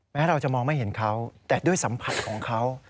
เราจะมองไม่เห็นเขาแต่ด้วยสัมผัสของเขา